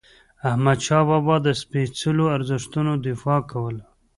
احمدشاه بابا د سپيڅلو ارزښتونو دفاع کوله.